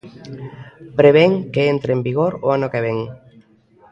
Prevén que entre en vigor o ano que vén.